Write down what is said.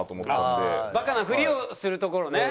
バカなふりをするところね。